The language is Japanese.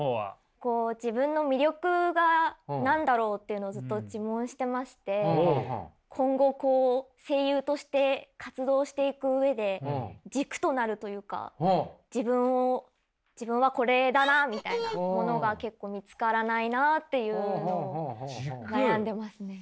こう自分の魅力が何だろうっていうのをずっと自問してまして今後こう声優として活動していく上で軸となるというか自分はこれだなみたいなものが結構見つからないなっていうのを悩んでますね。